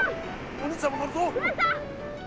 お兄ちゃんも乗るぞ。